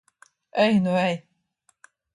Ej nu ej!